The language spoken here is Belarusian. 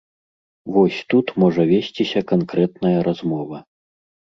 Вось тут можа весціся канкрэтная размова.